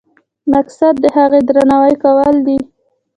مقصد د هغې درناوی کول دي.